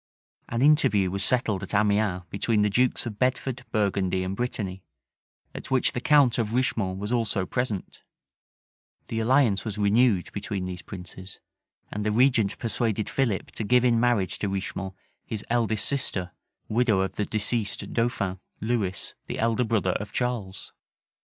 An interview was settled at Amiens between the dukes of Bedford, Burgundy, and Brittany, at which the count of Richemont was also present:[*] the alliance was renewed between these princes: and the regent persuaded Philip to give in marriage to Richemont his eldest sister, widow of the deceased dauphin, Lewis, the elder brother of Charles.